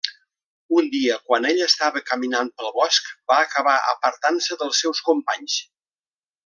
Un dia, quan ell estava caminant pel bosc, va acabar apartant-se dels seus companys.